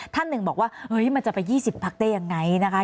ท่านหนึ่งบอกว่าเฮ้ยมันจะไป๒๐พักได้ยังไงนะคะ